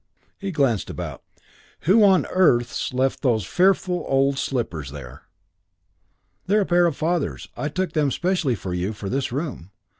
He glanced about "Who on earth's left those fearful old slippers there?" "They're a pair of father's. I took them specially for you for this room.